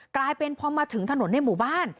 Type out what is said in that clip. กลายเป็นพอมาถึงถนนในหมู่บ้าน